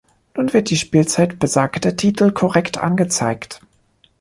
Nun wird die Spielzeit besagter Titel korrekt angezeigt.